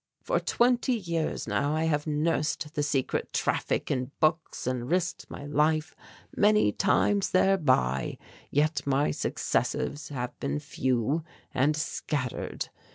For twenty years now I have nursed the secret traffic in books and risked my life many times thereby, yet my successes have been few and scattered.